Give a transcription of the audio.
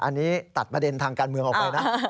อันนี้ตัดประเด็นทางการเมืองออกไปนะ